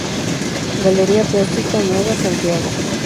Galería Plástica Nueva, Santiago.